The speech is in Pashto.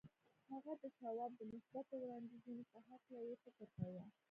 هغه د شواب د مثبتو وړانديزونو په هکله يې فکر کاوه.